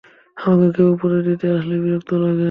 আমাকে কেউ উপদেশ দিতে আসলে বিরক্ত লাগে।